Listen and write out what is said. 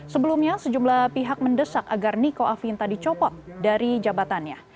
sebelumnya sejumlah pihak mendesak agar niko afinta dicopot dari jabatannya